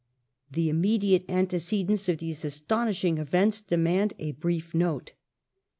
The immediate antecedents of these astound ing events demand a brief note.